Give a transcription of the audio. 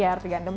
iya roti gandum